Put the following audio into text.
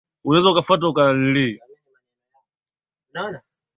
Yule jamaa aliposikia jina la Jacob alipata mshangao